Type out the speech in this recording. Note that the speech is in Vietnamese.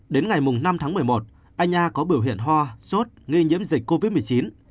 đến ngày năm tháng một mươi một anh nha có biểu hiện ho sốt nghi nhiễm dịch covid một mươi chín